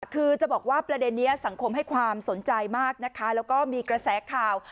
คือจะบอกว่าประเด็นนี้สังคมให้ความสนใจมากนะคะแล้วก็มีกระแสข่าว